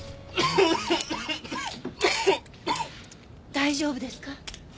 大丈夫ですか？